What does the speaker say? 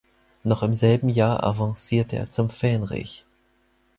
Noch im selben Jahr avancierte er zum Fähnrich.